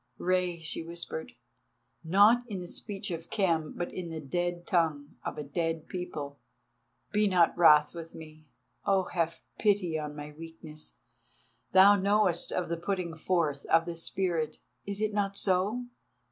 Rei," she whispered, not in the speech of Khem, but in the dead tongue of a dead people, "be not wrath with me. Oh, have pity on my weakness. Thou knowest of the Putting forth of the Spirit—is it not so?"